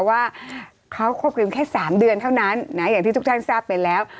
ว่าเขาคบกันแค่๓เดือนเท่านั้นนะอย่างที่ทุกท่านทราบไปแล้ว